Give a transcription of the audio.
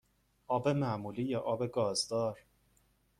آب معمولی یا آب گازدار؟